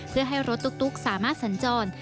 เพื่อให้รถตุ๊กสามารถสัญจร